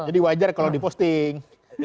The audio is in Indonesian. jadi wajar kalau diposting